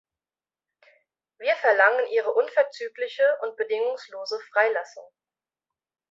Wir verlangen ihre unverzügliche und bedingungslose Freilassung.